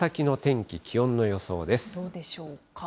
どうでしょうか。